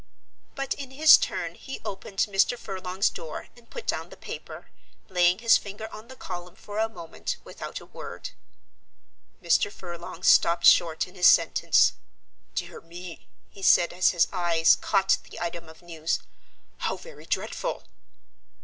But in his turn he opened Mr. Furlong's door and put down the paper, laying his finger on the column for a moment without a word. Mr. Furlong stopped short in his sentence. "Dear me!" he said as his eyes caught the item of news. "How very dreadful!"